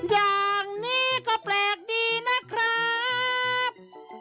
อย่างนี้ก็แปลกดีนะครับ